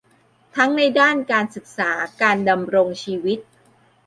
ทั้งในด้านการศึกษา การดำรงชีวิต